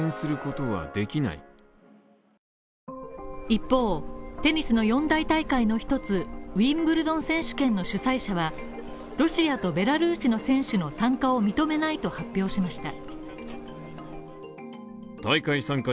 一方テニスの四大大会の一つ、ウィンブルドン選手権の主催者はロシアとベラルーシの選手の参加を認めないと発表しました。